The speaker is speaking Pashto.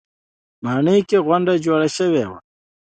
ماڼۍ کې غونډه جوړه شوې وه.